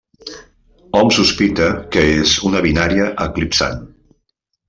Hom sospita que és una binària eclipsant.